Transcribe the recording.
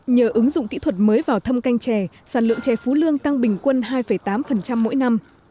nhờ ứng dụng kỹ thuật mới vào thâm canh chè sản lượng chè phú lương tăng bình quân hai tám mỗi năm